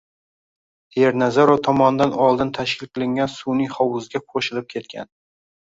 Ernazarov tomonidan oldin tashkil qilingan sun`iy hovuzga qo`shilib ketgan